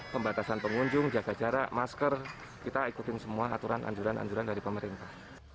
pembatasan pengunjung jaga jarak masker kita ikutin semua aturan anjuran anjuran dari pemerintah